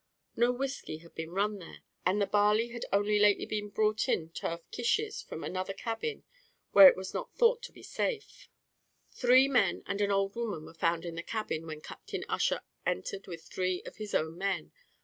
No whiskey had been run there; and the barley had only lately been brought in turf kishes from another cabin where it was not thought to be safe. Three men and an old woman were found in the cabin when Captain Ussher entered with three of his own men.